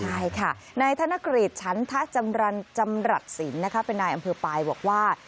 ใช่ค่ะในธนเกรดชั้นทะจำรัดสินเป็นนายอำเภอปลายบอกว่า